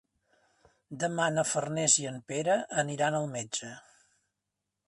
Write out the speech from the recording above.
Demà na Farners i en Pere aniran al metge.